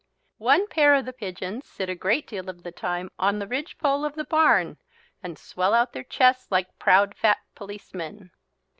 One pair of the pigeons sit a great deal of the time on the ridge pole of the barn and swell out their chests like proud, fat policemen.